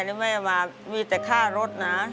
แล้วแม่มามีแต่ค่ารถนะ